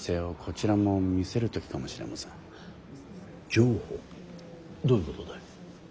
譲歩？どういうことだい？